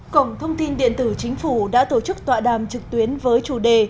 cổng thông tin điện tử chính phủ đã tổ chức tọa đàm trực tuyến với chủ đề